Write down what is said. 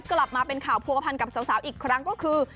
กลับมาเป็นข่าวผัวพันกับสาวอีกครั้งก็คือ